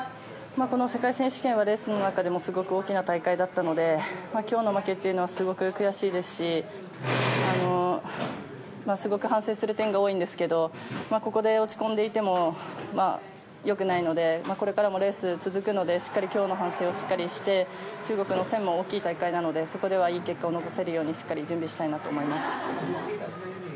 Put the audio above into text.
この世界選手権はレースの中でもすごく大きな大会だったので今日の負けはすごく悔しいですしすごく反省する点が多いんですけどここで落ち込んでいても良くないのでこれからもレースは続くのでしっかり今日の反省をして中国も大きい大会なのでそこでいい結果を残せるようにしっかり準備したいと思います。